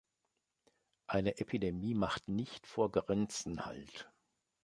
Eine Epidemie macht nicht vor Grenzen halt.